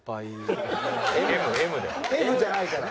Ｍじゃないから。